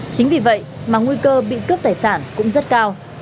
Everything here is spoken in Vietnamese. chính vì vậy mà nguy cơ bị cướp tài sản cũng rất cao